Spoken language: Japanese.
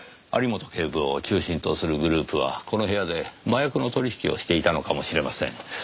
有本警部を中心とするグループはこの部屋で麻薬の取引をしていたのかもしれません。